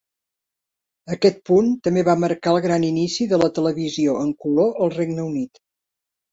Aquest punt també va marcar el gran inici de la televisió en color al Regne Unit.